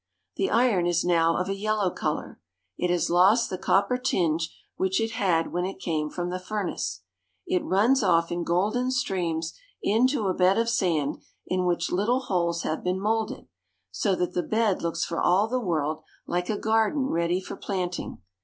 The iron is now of a yellow color. It has lost the cop per tinge which it had when it came from the furnace. It runs off in golden streams into a bed of sand in which lit tle holes have been molded, so that the bed looks for all the world like a garden ready for planting.